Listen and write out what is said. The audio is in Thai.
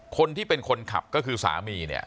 คนที่เป็นคนขับก็คือสามีเนี่ย